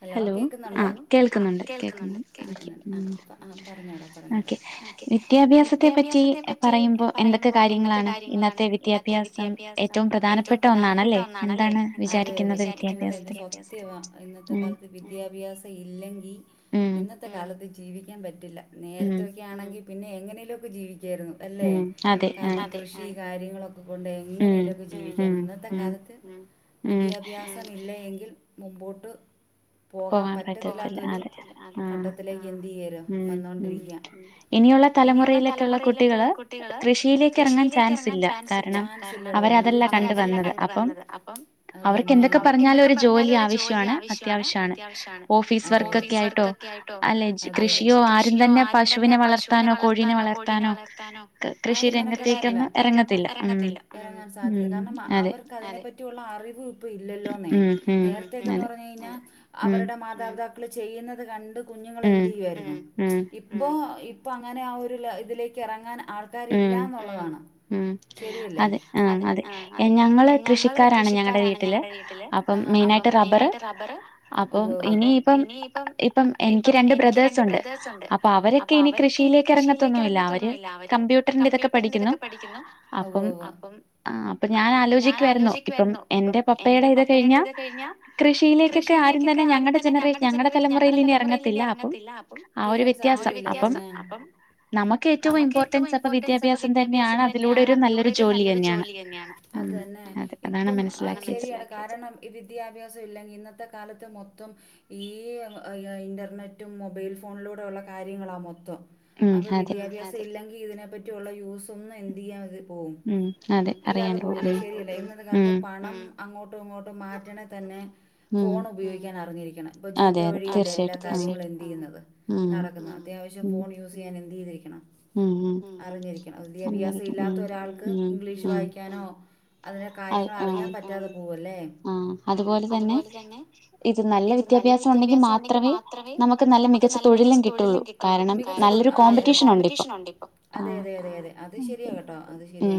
Hello കേക്കുന്നുണ്ടോ ആ കേൾക്കുന്നുണ്ട് കേക്കുന്നുണ്ട് ആ ആ പറഞ്ഞോടാ പറഞ്ഞോടാ വിദ്യാഭ്യാസത്തെ പറ്റി പറയുമ്പോ എന്തൊക്കെ കാര്യങ്ങളാണ് ഇന്നത്തെ വിദ്യാഭ്യാസം ദിവസം ഏറ്റവും പ്രധാനപ്പെട്ട ഒന്നാണല്ലേ എന്താണ് വിചാരിക്കുന്നത് സത്യവാ- ഇന്നത്തെ കാലത്ത് വിദ്യാഭ്യാസം ഇല്ലെങ്കിൽ ഇന്നത്തെ കാലത്ത് ജീവിക്കാൻ പറ്റില്ല നേരത്തൊക്കെ ആണെങ്കിൽ പിന്നെ എങ്ങനേലും ഒക്കെ ജീവിക്ക ജീവിക്കായിരുന്നു അല്ലെ അതെ കാരണം കൃഷി കാര്യങ്ങളൊക്കെ കൊണ്ട് എങ്ങനെല്ലക്കെ ജീവിക്കാൻ ഇന്നത്തെ കാലത്ത് വിദ്യാഭ്യാസം ഇല്ല എങ്കിൽ മുമ്പോട്ട് പോകാൻ പറ്റത്തില്ലാത്തൊരു ഘട്ടത്തിലേക്ക് എന്ത് ചെയ്യരു വന്നോണ്ടിരിക്ക ഇനിയുള്ള തലമുറയിലൊക്കെയുള്ള കുട്ടികള് കൃഷിയിലേക്ക് ഇറങ്ങാൻ ചാൻസ് ഇല്ല കാരണം അവ അവരതല്ല കണ്ട വന്നത് അപ്പം അവർക്ക് എന്തൊക്കെ പറഞ്ഞാലും ഒരു ജോലി ആവശ്യ- അത്യാവശ്യമാണ് ഓഫീസ് വർക്കൊക്കെ ആയിട്ടോ അല്ലെ കൃഷിയോ ആരും തന്നെ പശുവിനെ വളർത്താനോ കോഴിനെ വളത്താനോ ആരും ഇറങ്ങത്തില്ല അവർക്ക്തിനെ പറ്റിയുള്ള അറിവ് ഇപ്പൊ ഇല്ലല്ലോന്നേ നേരത്തെൊക്കെ പറഞ്ഞ കഴിഞ്ഞാൽ- അവരുടെ മാതാപിതാക്കൾ ചെയ്യുന്നത് കണ്ട് കുഞ്ഞുങ്ങൾ എന്ത് ചെയ്യുവായിരുന്നു ഇപ്പോ ഇപ്പൊ അങ്ങനെ ആ ഒരു ഇതിലേക്ക് ഇറങ്ങാൻ ആൾക്കാരില്ലന്നുള്ളതാണ് ഉം അതെ ഉ അതെ ഞങ്ങള് കൃഷിക്കാരാണ് ഞങ്ങളുടെ വീട്ടില്. അപ്പം മെയിനായിട്ട് റബ്ബർ റബറ് അപ്പം ഇനിയിപ്പം ഇപ്പം എനിക്ക് രണ്ട് ബ്രദേഴ്സ് ഉണ്ട് അപ്പൊ അവരൊക്കെ ഇനി കൃഷി യിലേക്ക് ഇറങ്ങത്തൊന്നുമില്ല അവര് അവര് കമ്പ്യൂട്ടറിൻ്റെ ഇതൊക്കെ പഠിക്കുന്നു അപ്പം ആ അപ്പൊ ഞാൻ ആലോചിക്കുവായിരുന്നു ഇപ്പം എന്റെ പപ്പയുടെ ഇത് കഴിഞ്ഞ കൃഷി കൃഷിയിലേക്കൊക്കെ ആരും തന്നെ ഞങ്ങളുടെ ജനറ ഞങ്ങളുടെ തലമുറയിൽ ഇനി ഇറങ്ങത്തില്ല അപ്പം വ്യത്യാസം അപ്പം നമുക്ക് ഏറ്റവും ഇമ്പോ ഏറ്റവും ഇമ്പോർട്ടൻസ് വിദ്യാഭ്യാസം തന്നെയാണ് അതിലൂടെ നല്ലൊരു ജോലി തന്നെയാണ്. ശെരിയാണ് കാരണം ഈ വിദ്യാഭ്യാസം ഇല്ലെങ്കി ഇന്നത്തെ കാലത്ത് മൊത്തം ഈ ഇന്റർനെറ്റും മൊബൈൽ ഫോണിലൂടെ ഉള്ള കാര്യങ്ങളാണ് മൊത്തം അപ്പൊ വിദ്യാഭ്യാസം ഇല്ലെങ്കിൽ ഇതിനെ പറ്റിയുള്ള യൂസ് ഒന്നും എന്ത് ചെയ്യ പോവും ഇല്ലാതെ പോവും ശരിയല്ലേ. ഇന്നത്തെ കാലത്ത് പണം അങ്ങോട്ടും ഇങ്ങോട്ടും മാറ്റണേ തന്നെ ഫോൺ ഉപയോഗിക്കാൻ അറിഞ്ഞിരിക്കണം ഇപ്പൊ ജിപേ വഴില്ലേ എല്ലാ കാര്യങ്ങളും എന്തു ചെയ്യുന്നത്. നടക്കുന്നത് അത്യാവശ്യം ഫോൺ യൂസ് ചെയ്യാൻ എന്തു ചെയ്തിരിക്കണം. അറിഞ്ഞിരിക്കണം വിദ്യാഭ്യാസം ഇല്ലാത്ത ഒരാൾക്ക് ഇംഗ്ലീഷ് വായിക്കാനോ അതിന്റെ കാര്യങ്ങൾ അറിയാൻ പറ്റാതെ പോവുല്ലേ? ആ അതുപോലെ തന്നെ തന്നെ. ഇത് നല്ല വിദ്യാഭ്യാസം ഉണ്ടെങ്കിൽ മാത്രമേ നമുക്ക് നല്ല മികച്ച തൊഴിലും കിട്ടുള്ളൂ. കാരണം അതെയതെയതെയതെ അത് ശെരിയാ കേട്ടോ അത് ശരിയ.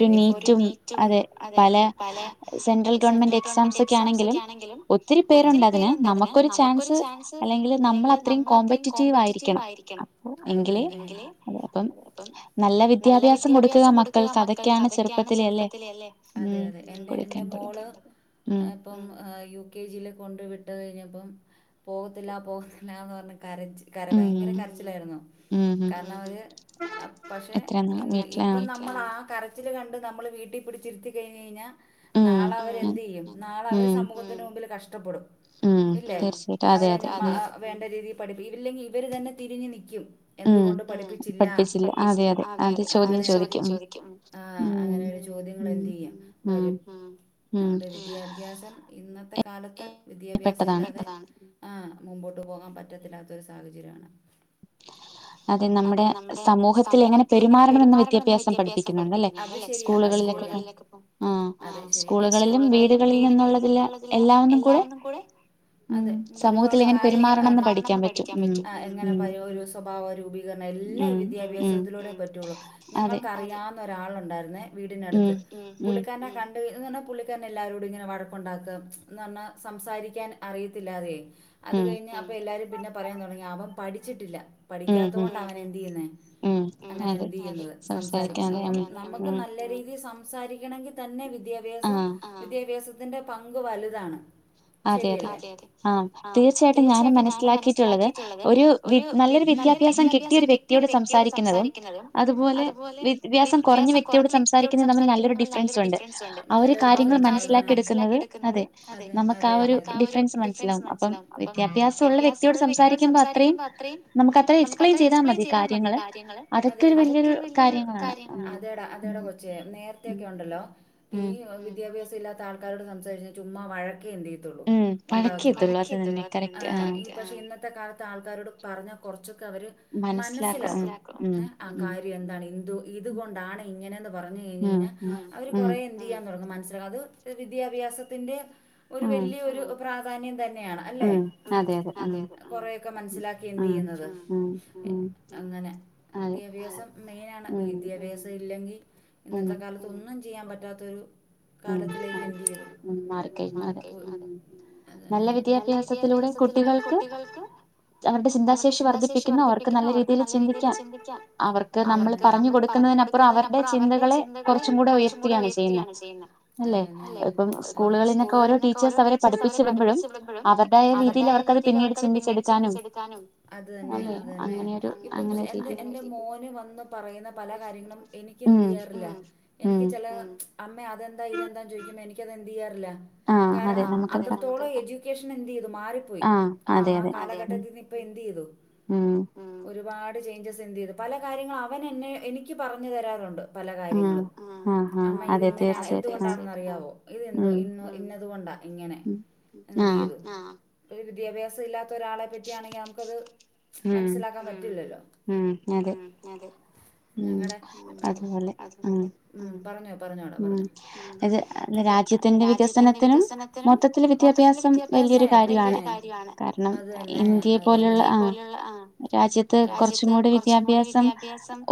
ഒരു നീറ്റും അതെ പല സെൻട്രൽ ഗവൺമെന്റ് എക്സാംസ് ഒക്കെ ആണെങ്കിലും ഒത്തിരി പേരുണ്ട് അതിന് നമുക്കൊരു ചാൻസ് അല്ലെങ്കിൽ നമ്മൾ അത്രയും കോമ്പറ്റീറ്റീവ് ആയിരി ക്കണം എങ്കിലെ അപ്പം നല്ല വിദ്യാഭ്യാസം കൊടുക്കുക മക്കൾ അതെയതെ എന്റെ എൻ്റെ മോള് യു കെ ജിയിൽ കൊണ്ട് വിട്ട കഴിഞ്ഞപ്പം പോകത്തില്ല പോകത്തില്ലന്ന് പറഞ്ഞ കരച്ച് കര ഭയങ്കര കരച്ചിലായിരുന്നു. കാരണം അവര് പക്ഷെ ഇപ്പം നമ്മളാ കര ച്ചില് കണ്ട് നമ്മള് വീട്ടിൽ പിടിച്ചിരുത്തി കഴിഞ്ഞ് കഴിഞ്ഞ നാള അവര് എന്ത് ചെയ്യും ന സമൂഹത്തിന് മുമ്പില് കഷ്ടപ്പെടും ഇല്ലേ അവര് വേണ്ട രീതി ഇല്ലെങ്കിൽ ഇവർ തന്നെ തിരിഞ്ഞു നിൽക്കും. പഠി എന്തൊണ്ട് പഠിപ്പിച്ചില്ല. ആ അങ്ങനെ ഒരു ചോദ്യങ്ങൾ എന്ത് ചെയ്യും വരും നമ്മുടെ വിദ്യാഭ്യാസം ഇന്നത്തെ കാലത്ത് വിദ്യാഭ്യാസ ഇല്ലാതെ ആ മുമ്പോട്ട് പോകാൻ പറ്റത്തില്ലാത്തൊരു സാഹചര്യമാണ്. അതെ നമ്മുടെ സമൂഹത്തിൽ എങ്ങനെ പെരുമാറണമെന്ന് വിദ്യാഭ്യാസം പഠിപ്പിക്കുന്നുണ്ട് അല്ലേ സ്കൂളുകളിൽ ആഹ് സ്കൂളുകളിലും വീടുകളിൽ നിന്നുള്ള എന്നുള്ളതില് എല്ലാവന്നും കൂടെ അതെ ഒരുപാട് ആഹ് എങ്ങനെ സ്വഭാവ രൂപീകരണം എല്ലാം വിദ്യാഭ്യാസത്തിലൂടെ പറ്റുള്ളൂ. ഞങ്ങൾക്ക് അറിയാവുന്ന ഒരാളുണ്ടായിരുന്നേ വീടിനടുത്ത് പുള്ളിക്കാരനെ കണ്ട എന്ന് പറഞ്ഞാൽ പുള്ളിക്കാരനെ എല്ലാവരോ എന്ന് പറഞ്ഞ സംസാരിക്കാൻ അറിയത്തില്ലാതെയായി അത് കഴിഞ്ഞ എ പിന്നെ പറയാൻ തുടങ്ങി അവൻ പഠിച്ചിട്ടില്ല പഠിക്കാത്ത കൊണ്ട് അവൻ എന്തു ചെയ്യുന്നേ അങ്ങനെ എന്ത് ചെയ്യുന്നത് സംസാരിക്കുന്നു നമുക്ക് നല്ല രീതിൽ സംസാരിക്കണമെങ്കിൽ തന്നെ വിദ്യാഭ്യാസം വിദ്യാഭ്യാസത്തിന്റെ പങ്ക് വലുതാണ്. അതെ അതെ ആ തീർച്ചയായിട്ടും ഞാനും മനസ്സിലാക്കിയിട്ടുള്ളത് ഒരു നല്ലൊരു വിദ്യാഭ്യാസം കിട്ടിയ ഒരു വ്യക്തിയോട് സംസാരിക്കുന്നതും അതുപോലെ വിദ്യാസം കുറഞ്ഞ വ്യക്തിയോട് നല്ലൊരു ഡിഫറൻസ് ഉണ്ട് അവര് കാര്യങ്ങൾ മനസ്സിലാക്കി എടുക്കുന്നത് അതെ നമ്മ നമുക്ക് ആ ഒരു ഡിഫറൻസ് മനസ്സിലാവും അപ്പം വിദ്യാഭ്യാസം ഉള്ള വ്യക്തിയോട് സംസാരിക്കുമ്പോ അത്രയും നമുക്ക് അത്രയും എക്സ്പ്ലെയിൻ ചെയ്താ മതി കാര്യങ്ങള് അതൊക്കെ വലിയൊരു കാര്യങ്ങള നേരത്തെയൊക്കെ ഒണ്ടല്ലോ ഈ വിദ്യാഭ്യാസം ഇല്ലാത്ത ആൾക്കാരോട് സംസാരിച്ച് ചുമാ വഴ [unintelligible] ഒണ്ടാവാത്തേളു [unintelligible] ഇന്ന ഇന്നത്തെ കാലത്ത് ആൾക്കാരോട് പറഞ്ഞാ കൊറച്ച് ക്ക് അവര് മനസിലാക്കും ആ കാര്യം എന്താണ് എന്തു ഇത് കൊണ്ടാണ് ഇങ്ങനെന്ന് പറഞ്ഞ് ഞ്ഞാ അവര് കൊറെ എന്ത് ചെയ്യാൻ തെടങ്ങും മന അത് വിദ്യാഭ്യാസത്തിന്റെ ഒര് വല്ല്യായോരു പ്രാധാന്യം തന്ന യാണ്ല്ലോ ഉം അതേ അതേ കൊറൊക്കെ മനസിലാക്കി എന്ത് ചെയ്യ്ന്നാത് ഉം അങ്ങനെ വിദ്യാഭ്യാസം മെയിനാണ് വിദ്യാഭ്യാസം ഇല്ലെങ്കി ഇന്നത്തെ കാലത്ത് ഒന്നും ചെയ്യാൻ പറ്റാത്തൊരു കാലത്തിലേക്ക് എന്ത് ചെയ്തു ഉം മാറി കഴിഞ്ഞു അതേ അത തന്നെ നല്ല വിദ്യാഭ്യാസത്തിലൂടെ കുട്ടികൾക്ക് അവരാടെ ചിന്താശേഷി വർദ്ധിപ്പിക്ക്ന്നാ അവർക്ക് നല്ല രീതിയില് ചിന്തിക്കാം അവർക്ക് നമ്മള് പറഞ്ഞ് കൊടുക്ക്ന്നാ പറഞ്ഞ് കൊടുക്ക്ന്നാതിനപ്പറം അവരടെ ചിന്തകളെ കൊറച്ചും കൂടെ ഉയർത്തുകയാണ് ചെയ്യ്ന്നോ അത് തന്നെയാല്ലെ ഇപ്പം സ്കൂളുകളില് നിന്നൊക്കെ ഓരോ ടീച്ചേഴസ് അവരെ പഠിപ്പിച്ചവിട്മ്പാഴ് അവരടെ [unintelligible] രീതില് അവർക്ക് അത് പിന്നീട് ചിന്തിച്ചെടുക്കാനും അത് തന്നെ അത് തന്നെ എങ്ങ് എൻ്റെ മോന് വന്ന് പറയ്ന്നാ പല കാര്യങ്ങളും എനിക്ക് എന്ത് ചെയ്യാറില്ലാ എനിക്ക് ചെല അമ്മേ അതെന്താ ഇതെന്താന്ന് ചോദിക്കുമ്പോ എനിക്കത് എന്ത് ചെയ്യാറില്ല കാരണം ആ ആ അത്രത്തോളം എജ് ലേഷൻ എന്ത് ചെയ്തു മാറി പോയി ആാ ആ കാലാഘട്ടാത്തിന്ന് ഇപ്പോ എന്ത് ചെയ്തു ഉം ഒര്പാട് ചേഞ്ചസ് എന്ത് ചെയ്തു പല കാര്യങ്ങള് അവൻ എന്നൊ എനിക്ക് പറഞ്ഞ് തെരാറോണ്ട് ഉം ആാ ആാ അതെ തീർച്ചയായിട്ടും അറിയാവോ ഇതെന്താ ഇന്ന് ഇന്നത് കൊണ്ടാ ഇങ്ങനെ എന്ത് ചെയ്തു ആാ വിദ്യാഭ്യാസം ഇല്ലാത്താ ഒരാളെ പറ്റിയാണെങ്കി നമക്കത് മനസ്സിലാക്കാൻ പറ്റുല്ലല്ലോ ഉം അതെ ഞങ്ങടെ ഉം അത് പോലെ ഉം പറഞ്ഞോടാ പറഞ്ഞോടാ പറഞ്ഞോ അതേ രാജ്യത്തിന്റെ വികസനത്തിനും മൊത്തത്തില് വിദ്യാഭ്യാസം വല്ല്യായൊരു കാര്യയാണ് കാര്യായാണ് അത് തന്നെ അത് തന്നെ ഇന്ത്യയേ പോലെയെള്ളാ ആാ കൊറച്ചും കൂടി വിദ്യാഭ്യാസം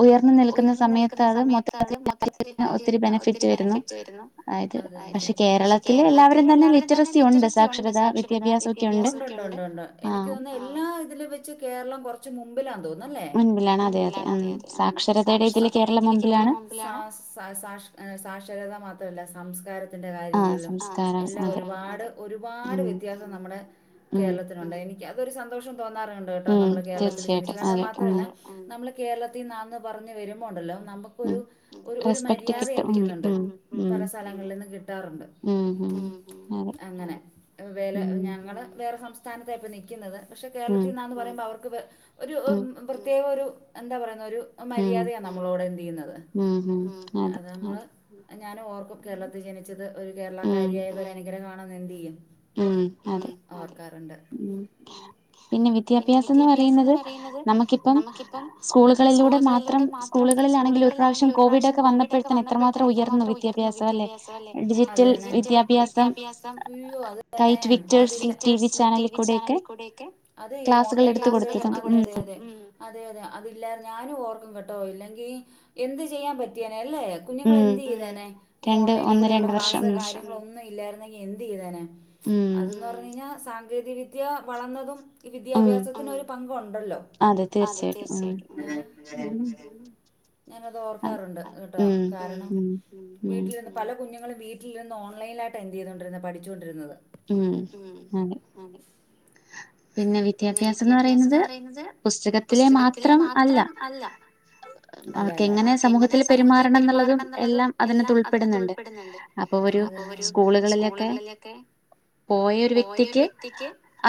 ഉയർന്ന് നിൽക്ക്ന്നാ സമയത്ത് അത് മൊത്തി [unintelligible] ബെനാഫിറ്റ് വെര്ന്നു രുന്നു അതെ അതെ പശെ കേരളത്തില് എല്ലാവരും തന്നെ ലിറ്ററസി ഒണ്ട് സാക്ഷരത വി സത്തിന് ഒണ്ട് ഒണ്ട് ഒണ്ട് ഒണ്ട് എനിക്ക് തോന്ന്ന്ന് എല്ലാ ഇതിലും വെച്ച് കേരളം കൊറച്ച് മുമ്പിലാ ല്ലോ മുൻപിലാണ് അതെ അതെ ആാ സാക്ഷരതയുടെ ഇതില് കേരളം മുൻപിലാണ് സാ സാക്ഷ സാക്ഷരത മാത്രമല്ല സംസ്കാര ത്തിന്റെ കാര്യങ്ങളിലും ആാ എല്ലാം ഒരുപാട് ഒരുപാട് വ്യത്യാസം നമ്മടെ കേരളത്തിനെണ്ട് എനിക്ക് അതൊരു സന്തോഷം തോന്നാറൊണ്ട് കേട്ടോ നമ്മള് കേരളത്തില് ജനിച്ചാത് കാരണം മാത്രമല്ല നമ്മള് കേരളത്തിന്നാന്ന് പറഞ്ഞ് വരുമ്പോണ്ടേല്ലോ നമക്കൊരു ഒരു ഒരു മര്യാദ എന്ത് ചെയ്യ്ന്നോണ്ട് ഉം പല സ്ഥലങ്ങളിന്ന് കിട്ടാറൊണ്ട് ഉം ഉം അങ്ങനെ വെല ഞങ്ങള് വെറേ സംസ്ഥാനത്തെ ഇപ്പം നിക്ക്ന്നാത് പശെ കേരളത്തിന്നാണന്ന് പറയമ്പോ അവർക്ക് ഒര് പ്രത്യേക ഒര് എന്താ പറയുന്ന ഒര് മര്യാദയാണ് നമ്മളവിടെ എന്ത് ചെയ്യ്ന്നത് ഉം ഉം അത് നമ്മള് ഞാനും ഓർക്കും കേരളത്തി ജെനിച്ചത് ഒര് കേരളക്കാരിയായത് അന്ഗ്രഹം ആണന്ന് എന്ത് ചെയ്യും ഉം അതെ ഉം പിന്നെ വിദ്യാഭ്യാസം എന്ന് പറായ്ന്നത് നമക്കിപ്പം സ്കൂളുകളിലൂടെ മാത്രം സ്കൂളുകളി ആണെങ്കി ഒര് പ്രാവശ്യം കോവിഡൊക്കെ വന്നപ്പോഴത്ത എത്രമാത്രം [unintelligible] എത്രാ മാത്രം ഉയർന്ന് വിദ്യാഭ്യാസല്ലോ അത് തന്നെ ഡിജിറ്റൽ വിദ്യാഭ്യാസം അയ്യോ അ അത് തന്നെ വിക്റ്റേഴ്സ് ടി വി ചാനലി കൂടെയൊക്കെ അതെ ഈ ഓൺലൈനില് ക്ലാസുകളെടുത്ത് പഠിപ്പിക്കും അതെ അതെ അതെ ഉം അതെയതെ അതില്ലാരു ഞാനും ഓർക്കും കേട്ടോ ഇല്ലെങ്കി എന്ത് ചെയ്യാൻ പറ്റിയേ നെ അല്ലെ കുഞ്ഞുങ്ങളെന്ത് ചെയ്തേനെ ഈ ഓൺലൈനിക്കൂടെ ഉള്ള ക്ലാസ്സൊ കാര്യങ്ങോളൊ ഒന്നും ഇല്ലരുന്നെങ്കി എന്ത് ചെയ്തേനെ അതന്ന് പറഞ്ഞാ സാങ്കേതിക വിദ്യ വളന്നതും ഈ വിദ്യാഭ്യാസത്തിനൊരു പങ്കൊണ്ടല്ലോ അതെ തീർച്ചയായിട്ടും ആ ഉം ഞാനതോർക്കാറുണ്ട് കേട്ടോ ഉം കാരണം ഉം വീട്ടിലിരുന്ന് പല കുഞ്ഞുങ്ങളും വീട്ടിലിരുന്ന് ഓൺലൈനായിട്ടാ എന്ത് ചെയ്തോണ്ടിരുന്നെ പഠിച്ചൊണ്ടിരുന്നത് ഉം ഉം പിന്നെ വിദ്യാഭ്യാസെന്ന് പറയുന്നത് പുസ്തകത്തിലെ മാത്രം അല്ല. [unintelligible] എങ്ങനെ സമൂഹത്തിൽ പെരുമാറണം എന്നുള്ളതും എല്ലാം അതിനത്ത് ഉൾപ്പെടുന്നുണ്ട്. അപ്പൊ ഒരു സ്കൂളുകളിലൊക്കെ പോയൊരു വ്യക്തിക്ക്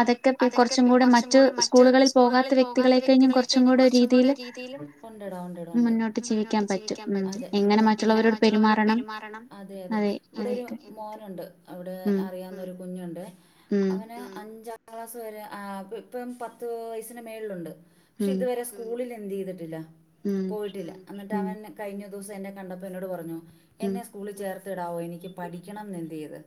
അതൊക്കെ കൊറച്ചും കൂടെ മറ്റ് സ്കൂളുകളിൽ പോകാത്ത വ്യക്തികളെ കഴിഞ്ഞും കൊറച്ചും കൂടെ രീതിയില് ഒണ്ടെടാ ഒണ്ടെടാ ഒണ്ട്. മുന്നോട്ട് ജീവിക്കാൻ പറ്റും. അതേ. എങ്ങനെ മ റ്റുള്ളവരോടു പെരുമാറണം. അതെ അതെ. ഇവിടെ ഒരു മോനുണ്ട്. ഇവിടെ അറിയാവുന്ന ഒരു കുഞ്ഞുണ്ടെ. അവന് ഉം അഞ്ചാം ക്ലാസ് വരെ ആ ഇപ്പം പത്ത് വയസിന്റെ മേളിലുണ്ട്. പക്ഷെ ഇതുവരെ സ്കൂളിൽ എന്ത് ചെയ്തിട്ടില്ല? പോയിട്ടില്ല. എന്നിട്ട് അവൻ കഴിഞ്ഞ ദിവസം എന്നെ കണ്ടപ്പോ എന്നോട് പറഞ്ഞു. എന്നെ സ്കൂളിൽ ചേർത്തിടാവോ? എനിക്ക് പഠിക്കണം എന്ത്‌ ചെയ്ത്?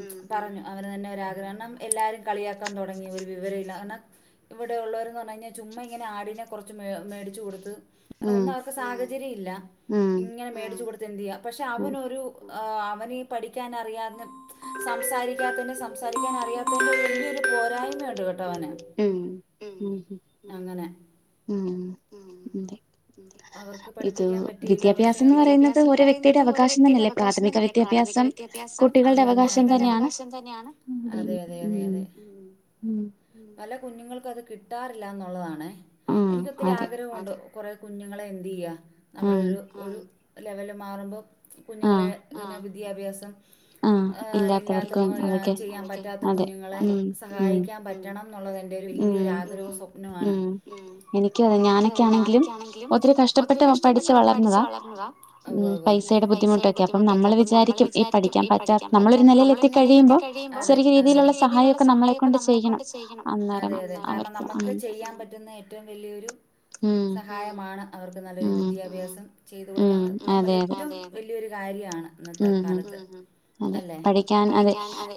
മ്ഹ് മ് പറഞ്ഞു. അവന് തന്നെ ഒരാഗ്രഹം. കാരണം എല്ലാരും കളിയാക്കാൻ തുടങ്ങി. ഒരു വിവരവും ഇല്ല [unintelligible] ഇവടെ ഒള്ളവരന്ന് പറഞ്ഞു കഴിഞ്ഞാ ചുമ്മാ ഇങ്ങനെ ആടിനെ കുറച്ച് മേടിച്ച് കൊടുത്ത് [unintelligible] ഒന്നും അവർക്ക് സാഹചര്യം ഇല്ല. ഇങ്ങനെ മേടിച്ചു കൊടുത്ത് എന്ത്ചെയ്യാ? പക്ഷെ അവനൊരു അവന് ഈ പഠിക്കാനറിയാനും സംസാരിക്കാത്തോണ്ട് [inaudible] വല്യൊരു പോരായ്മ ഒണ്ട് കേട്ടോ അവന്. മ്. അങ്ങനെ ഉം ഉം അവർക്ക് പഠിപ്പിക്കാൻ പറ്റിയില്ല. പക്ഷെ [unintelligible] പറയുന്നത് ഒരു വ്യക്തിയുടെ അവകാശം തന്നല്ലേ? പ്രാഥമിക വിദ്യാഭ്യാസം അതുതന്നെ കുട്ടികളുടെ അവകാശം തന്നെയാണ്. അതെ അതെ അതെ അതെ. ഉം. പല കുഞ് ഞ്ഞുങ്ങൾക്കത് കിട്ടാറില്ല എന്നൊള്ളതാണേ. എനിക്കൊത്തിരി ആഗ്രഹം ഒണ്ട്. കൊറെ കുഞ്ഞുങ്ങളെ എന്ത് ചെയ്യാ? നമ്മുടെ ഒരു ആഹ് ലെവല് മാറുമ്പോ കുഞ്ഞുങ്ങളെ ആഹ് ഇങ്ങനെ വിദ്യാഭ്യാസം ആഹ് ആഹ് ഇല്ലാത്ത കു ചെയ്യാൻ പറ്റാത്ത കുഞ്ഞുങ്ങളെ അതേ സഹായിക്കാൻ പറ്റണം എന്നുള്ളത് എന്റെ ഒരു വല്യ ഈ ഒരു ആഗ്രഹവും സ്വപ്നവും ആണ് ഉം എനിക്ക് ഞാനൊക്കെയാണെങ്കിലും അത്ര കഷ്ടപ്പെട്ട് [unintelligible] പഠിച്ച് വളർന്നതാ. ഉ പൈസയുടെ ബുദ്ധിമുട്ടൊക്കെ അപ്പം നമ്മൾ വിചാരിക്കും പഠിക്കാൻ പറ്റാത്ത നമ്മളൊരു നിലയിൽ എത്തി കഴിയുമ്പോ ചെറിയ രീതിയിലുള്ള സഹായംക്കെ നമ്മളെ കൊണ്ട് ചെയ്യണം. അതെ അതെ കാരണം നമുക്ക് ചെയ്യാൻ പറ്റുന്ന ഏറ്റവും വലിയൊരു സഹായമാണ് അവർക്ക് നല്ലൊരു വിദ്യാഭ്യാസം നമ്മള് ഏറ്റവും വലിയൊരു കാര്യമാണ് ഇന്നത്തെ കാലത്ത്. അല്ലെ. പഠിക്കാൻ അതെ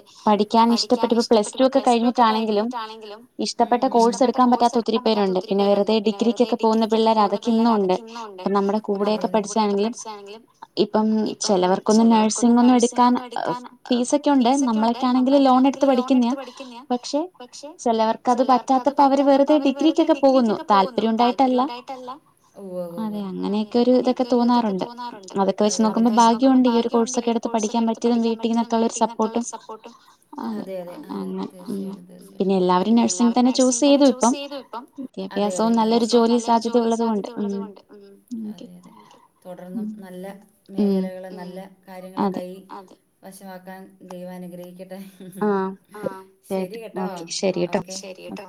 പഠിക്കാൻ ഇഷ്ടപ്പെട്ട് ഇപ്പ പ്ലസ് ടു ഒക്കെ കഴിഞ്ഞിട്ടാണെങ്കിലും ഇഷ്ടപ്പെട്ട കോഴ്സ് എടുക്കാൻ പറ്റാത്ത ഒത്തിരി പേരുണ്ട്. പിന്നെ വെറുതെ ഡിഗ്രിക്കക്കെ പോകുന്ന പിള്ളേർ അതൊക്കെ ഇന്നും ഉണ്ട്. ഇപ്പ നമ്മുടെ കൂടെയൊക്കെ പഠിച്ചാണെങ്കിലും ഇപ്പം ചിലവർക്ക് നഴ്സിംഗ് ഒന്നും എടുക്കാൻ ഫീസ് ഒക്കെ ഉണ്ട്. നമ്മളൊക്കൊണെങ്കിൽ ലോൺ എടുത്ത് പഠിക്കുന്നയാ പക്ഷെ ചിലവർക്കത് പറ്റാത്തപ്പോ അവര് വെറുതെ ഡിഗ്രിക്കൊക്കെ പോകുന്നു. താല്പര്യം ഉണ്ടായിട്ടല്ല. [unintelligible] അതെ അങ്ങനൊക്കെ തോന്നാറുണ്ട്. അതക്കെ വച്ച് നോക്കുമ്പ ഒണ്ട് ഈ ഒരു കോഴ്സ് ഒക്കെ എടുത്തു പഠിക്കാൻ പറ്റാത്ത വീട്ടിൽ നിന്നുള്ള സപ്പോർട്ട്. [unintelligible] പിന്നെ എല്ലാവരും നഴ്സിംഗ് തന്നെ ചൂസ് ചെയ്തു. ഇപ്പം വിദ്യാഭ്യാസവും നല്ലൊരു ജോലി സാധ്യതയ ഉള്ള സാധ്യത ഉള്ളതുകൊണ്ട്. ഉം തുടർന്നും നല്ല മേഖലകള് നല്ല കാര്യങ്ങളൊക്കായി വശമാക്കാൻ ദൈവ അനുഗ്രഹിക്കട്ടെ ശരി കേട്ടോഓ ശരി കേട്ടോ